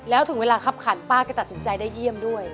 แล้วถึงเวลาคับขันป้าก็ตัดสินใจได้เยี่ยมด้วย